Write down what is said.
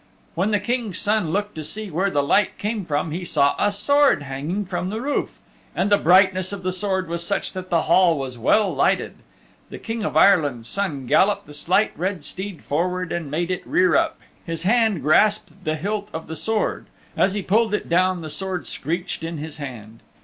When the King's Son looked to see where the light came from he saw a sword hanging from the roof. And the brightness of the Sword was such that the hall was well lighted. The King of Ireland's Son galloped the Slight Red Steed forward and made it rear up. His hand grasped the hilt of the Sword. As he pulled it down the Sword screeched in his hand.